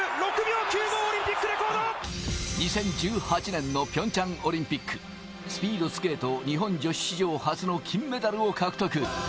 ２０１８年のピョンチャンオリンピック、スピードスケート日本女子史上初の金メダルを獲得。